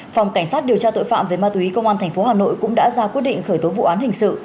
phòng cảnh sát điều tra tội phạm về ma túy công an tp hà nội cũng đã ra quyết định khởi tố vụ án hình sự